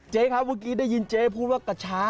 ครับเมื่อกี้ได้ยินเจ๊พูดว่ากระเช้า